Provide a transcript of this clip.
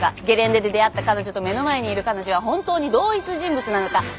ゲレンデで出会った彼女と目の前にいる彼女は本当に同一人物なのか。